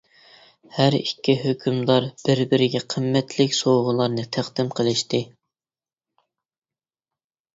ھەر ئىككى ھۆكۈمدار بىر بىرىگە قىممەتلىك سوۋغىلارنى تەقدىم قىلىشتى.